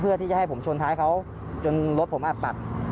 เพื่อที่จะให้ผมชนท้ายเขาจนรถผมอัดปัด